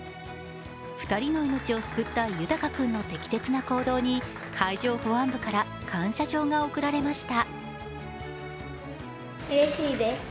２人の命を救った豊君の適切な行動に海上保安部から感謝状が贈られました。